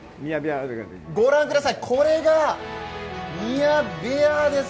ご覧ください、これがミヤビヤです